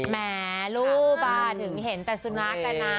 แหมรูปถึงเห็นแต่สุนัขนะ